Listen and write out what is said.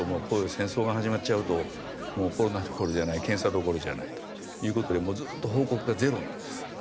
こういう戦争が始まっちゃうともうコロナどころじゃない検査どころじゃないという事でもうずっと報告がゼロなんです。